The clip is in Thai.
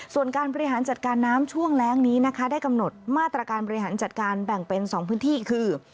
ส่วนการบริหารจัดการน้ำช่วงแรงนี้นะคะได้กำหนดมาตรการบริหารจัดการแบ่งเป็น๒พื้นที่คือ